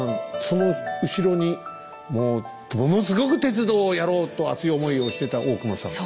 その後ろにもうものすごく鉄道をやろうと熱い思いをしてた大隈さん。